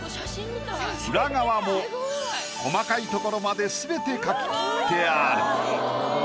裏側も細かい所まですべて描ききってある。